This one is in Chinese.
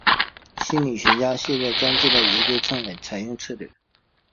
心理学家现在将这类研究称为采用策略。